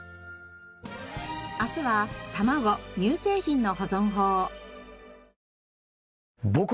明日は卵・乳製品の保存法。